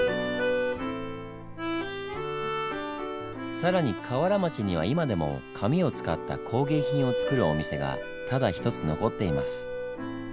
更に川原町には今でも紙を使った工芸品を作るお店がただ一つ残っています。